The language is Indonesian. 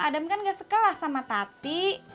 adam kan gak sekelas sama tati